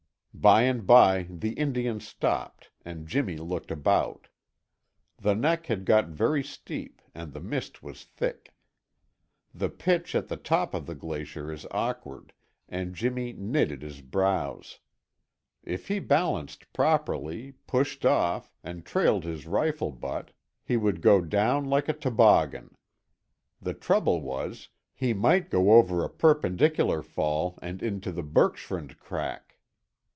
By and by the Indian stopped and Jimmy looked about. The neck had got very steep and the mist was thick. The pitch at the top of the glacier is awkward and Jimmy knitted his brows. If he balanced properly, pushed off, and trailed his rifle butt, he would go down like a toboggan; the trouble was, he might go over a perpendicular fall and into the bergschrund crack.